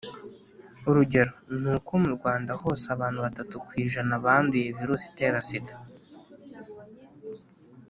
urugero ni uko mu rwanda hose abantu batatu ku ijana banduye virusi itera sida ;